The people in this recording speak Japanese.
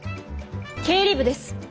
経理部です。